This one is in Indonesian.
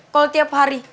kalau tiap hari